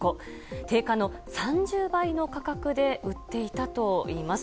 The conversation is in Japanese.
定価の３０倍の価格で売っていたといいます。